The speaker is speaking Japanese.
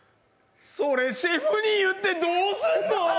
それシェフに言ってどうすんの？